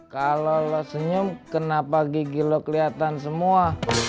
kalau lo senyum kenapa gigi lo kelihatan semua